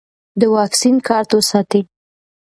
د واکسین کارت وساتئ.